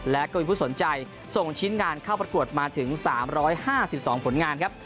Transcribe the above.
และก็มีผู้สนใจส่งชิ้นงานเข้าประกวดมาถึง๓๕๒ผลงานครับ